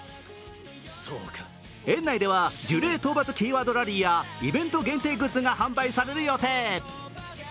園内では呪霊討伐キーワードラリーやイベント限定グッズが発売される予定。